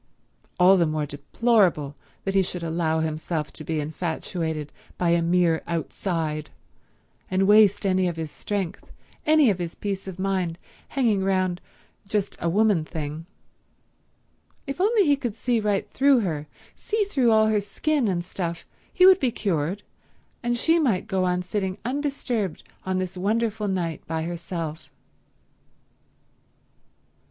All the more deplorable that he should allow himself to be infatuated by a mere outside, and waste any of his strength, any of his peace of mind, hanging round just a woman thing. If only he could see right through her, see through all her skin and stuff, he would be cured, and she might go on sitting undisturbed on this wonderful night by herself.